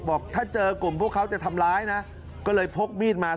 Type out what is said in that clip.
บอกถ้าเจอกลุ่มพวกเขาจะทำร้ายนะก็เลยพกมีดมา